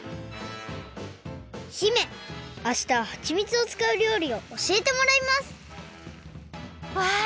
姫あしたははちみつをつかうりょうりをおしえてもらいますわあ